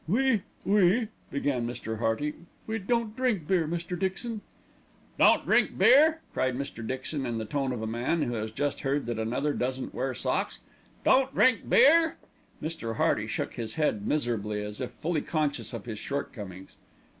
"We we " began Mr. Hearty "we don't drink beer, Mr. Dixon." "Don't drink beer?" cried Mr. Dixon in the tone of a man who has just heard that another doesn't wear socks. "Don't drink beer?" Mr. Hearty shook his head miserably, as if fully conscious of his shortcomings.